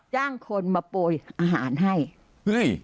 จ้างคนมาโปนอาหารให้